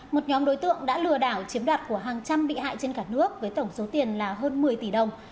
một nhóm đối tượng đã lừa đảo chiếm đoạt của hàng trăm bị hại trên cả nước với tổng số tiền là hơn một mươi tỷ đồng